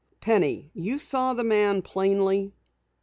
Penny, you saw the man plainly?"